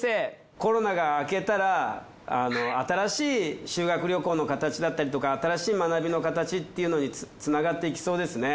コロナが明けたら新しい修学旅行のかたちだったりとか新しい学びのかたちっていうのにつながっていきそうですね。